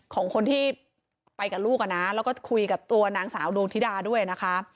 ของคนที่ไปกับลูกอ่ะนะแล้วก็คุยกับตัวนางสาวดวงธิดาด้วยนะคะ